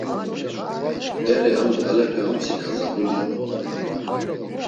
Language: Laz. Bere ham ndğalepe amtsika zabuni on.